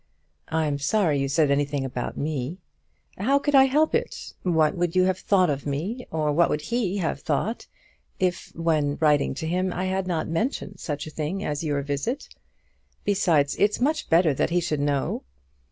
"I'm sorry you said anything about me." "How could I help it? What would you have thought of me, or what would he have thought, if, when writing to him, I had not mentioned such a thing as your visit? Besides, it's much better that he should know."